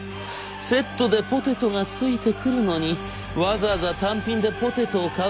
セットでポテトが付いてくるのにわざわざ単品でポテトを買うバカはいないでしょ？」。